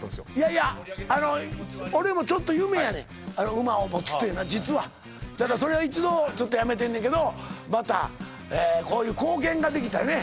いやあの俺もちょっと夢やねん馬を持つっていうのは実はただそれは一度ちょっとやめてんねんけどまたこういう貢献ができたね